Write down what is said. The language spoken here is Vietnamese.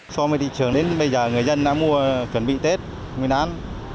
so với thị trường đến bây giờ người dân đã mua chuẩn bị tết nguyên đán hai nghìn một mươi tám